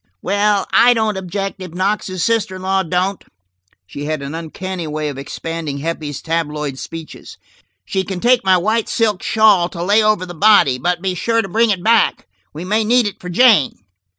"Well, I don't object, if Knox's sister in law don't." She had an uncanny way of expanding Heppie's tabloid speeches. "You can take my white silk shawl to lay over the body, but be sure to bring it back. We may need it for Jane."